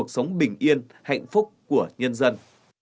sống bình yên hạnh phúc của nhân dân